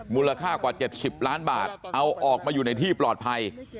มูลค่ากว่า๗๐ล้านบาทเอาออกมาอยู่ในที่ปลอดภัย